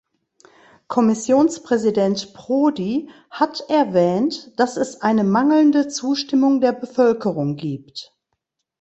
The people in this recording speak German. Kommissionspräsident Prodi hat erwähnt, dass es eine mangelnde Zustimmung der Bevölkerung gibt.